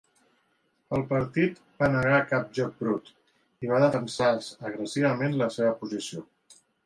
El partit va negar cap joc brut i va defensar agressivament la seva posició.